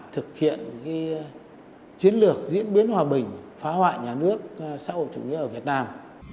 thực hiện chiến lược diễn biến hòa bình phá hoại nhà nước xã hội chủ nghĩa ở việt nam